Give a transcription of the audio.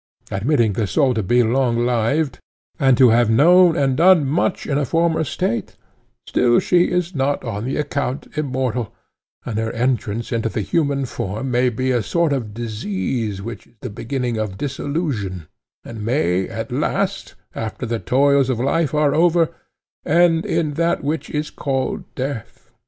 Admitting the soul to be longlived, and to have known and done much in a former state, still she is not on that account immortal; and her entrance into the human form may be a sort of disease which is the beginning of dissolution, and may at last, after the toils of life are over, end in that which is called death.